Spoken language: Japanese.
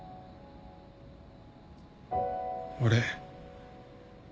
俺。